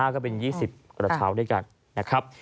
๔๕ก็เป็น๒๐กระเช้าด้วยกัน